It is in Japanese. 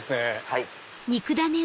はい。